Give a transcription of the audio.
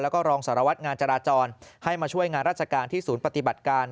แล้วก็รองสารวัตรงานจราจรให้มาช่วยงานราชการที่ศูนย์ปฏิบัติการ